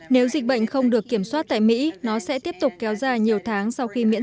nếu dịch bệnh không được kiểm soát tại mỹ nó sẽ tiếp tục kéo ra nhiều thảm